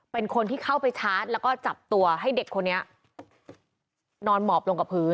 เป็นคนที่เข้าไปชาร์จแล้วก็จับตัวให้เด็กคนนี้นอนหมอบลงกับพื้น